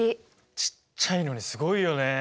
ちっちゃいのにすごいよね！